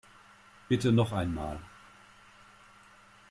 Bitte noch einmal!